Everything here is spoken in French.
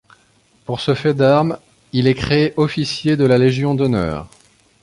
Pour ce fait d'armes, il est créé officier de la Légion d'honneur.